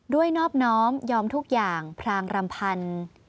นอบน้อมยอมทุกอย่างพรางรำพันธ์